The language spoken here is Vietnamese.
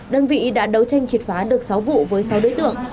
đơn vị đã đấu tranh triệt phá được sáu vụ với sáu đối tượng